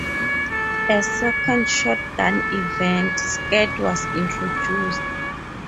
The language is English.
A second shotgun event, Skeet, was introduced.